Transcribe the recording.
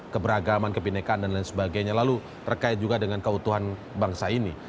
keberagaman kebenekaan dan lain sebagainya lalu terkait juga dengan keutuhan bangsa ini